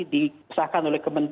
dibesarkan oleh kemen